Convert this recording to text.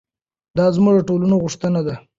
دا زموږ د ټولو غوښتنه ده.